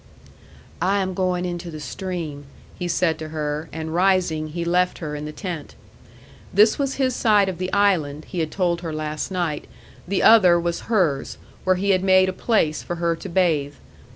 "I am going into the stream," he said to her; and rising, he left her in the tent. This was his side of the island, he had told her last night; the other was hers, where he had made a place for her to bathe.